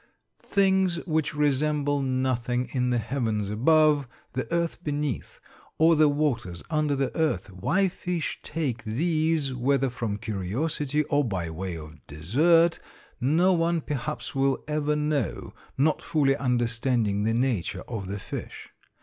Things which resemble nothing in the heavens above, the earth beneath, or the waters under the earth why fish take these, whether from curiosity, or by way of dessert, no one perhaps will ever know, not fully understanding the nature of the fish.